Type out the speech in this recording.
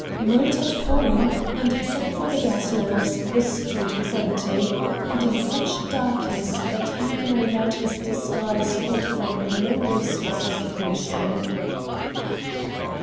Night had fallen, and, except for the gas lamps, the street was empty, and in such darkness that even without his disguise Ford ran no risk of recognition.